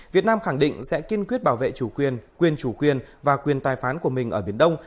việt nam khẳng định sẽ kiên quyết bảo vệ chủ quyền quyền chủ quyền và quyền tài phán của mình ở biển đông